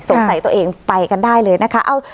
ตัวเองไปกันได้เลยนะคะ